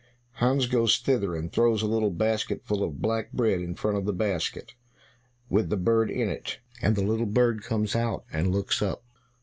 Hans goes thither, and throws a little basket full of black bread in front of the basket with the bird in it, and the little bird comes out, and looks up.